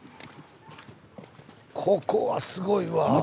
ここはすごいわ！